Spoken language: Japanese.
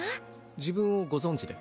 自分をご存じで？